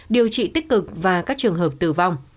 điều trị tích cực và các trường hợp tử vong